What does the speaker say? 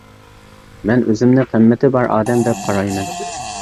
مەن ئۆزۈمنى قىممىتى بار ئادەم دەپ قارايمەن.